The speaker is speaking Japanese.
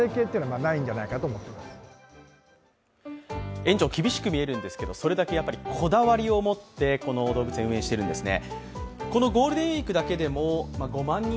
園長厳しく見えるんですけれども、それだけこだわりを持って、この動物園を運営しているんですね。